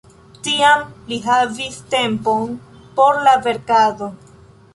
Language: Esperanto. Tiam li havis tempon por la verkado.